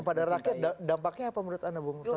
kasian pada rakyat dampaknya apa menurut anda bapak murtadz